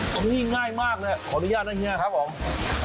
ตรงนี้ง่ายมากเลยขออนุญาตนะเฮียครับผม